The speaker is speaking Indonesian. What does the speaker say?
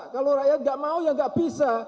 kalau rakyat tidak mau ya tidak bisa